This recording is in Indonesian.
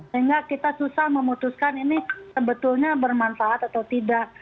sehingga kita susah memutuskan ini sebetulnya bermanfaat atau tidak